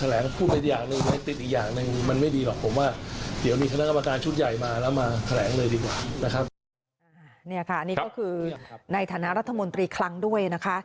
นี่ค่ะนี่ก็คือในฐานะรัฐมนตรีคลังด้วยนะคะ